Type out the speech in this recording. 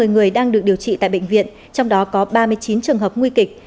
một mươi người đang được điều trị tại bệnh viện trong đó có ba mươi chín trường hợp nguy kịch